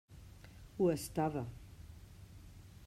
Ho estava.